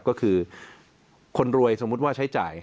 ก็คือคนรวยสมมุติว่าใช้จ่าย